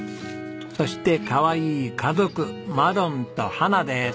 そしてかわいい家族マロンとはなです。